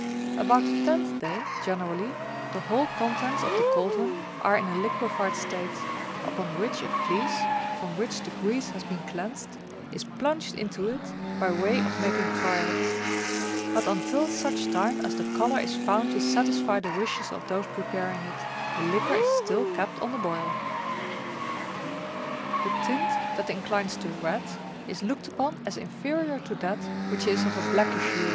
About the tenth day, generally, the whole contents of the cauldron are in a liquified state, upon which a fleece, from which the grease has been cleansed, is plunged into it by way of making trial ; but until such time as the colour is found to satisfy the wishes of those preparing it, the liquor is still kept on the boil. The tint that inclines to red is looked upon as inferior to that which is of a blackish hue.